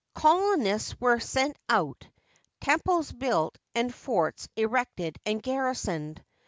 Colonists were sent out, temples built, and forts erected and garrisoned.